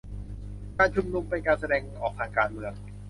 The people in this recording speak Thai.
การชุมนุมเป็นการแสดงออกทางการเมือง